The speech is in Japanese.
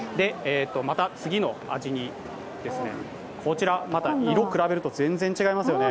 また次の味に、こちら、色を比べると全然違いますよね。